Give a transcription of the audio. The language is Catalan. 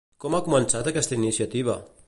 Com ha començat aquesta iniciativa?